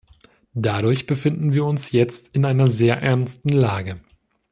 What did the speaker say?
Dadurch befinden wir uns jetzt in einer sehr ernsten Lage.